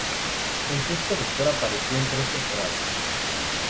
El Sexto Doctor apareció en tres temporadas.